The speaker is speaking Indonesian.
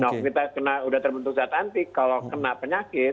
kalau kita kena udah terbentuk zat anti kalau kena penyakit